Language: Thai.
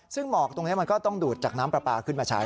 ซึ่งหมอกตรงนี้มันก็ต้องดูดจากน้ำปลาปลาขึ้นมาใช้